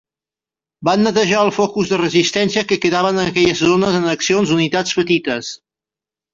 Van netejar els focus de resistència que quedaven en aquelles zones en accions d'unitats petites.